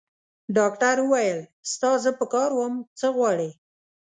ډاکټر وویل: ستا زه په کار وم؟ څه غواړې؟